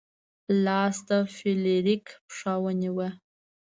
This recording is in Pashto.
لاس د فلیریک پښه ونیوه.